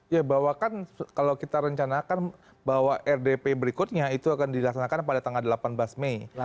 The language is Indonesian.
ya bahwa kan kalau kita rencanakan bahwa rdp berikutnya itu akan dilaksanakan pada tanggal delapan belas mei